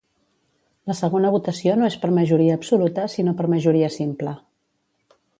La segona votació no és per majoria absoluta, sinó per majoria simple.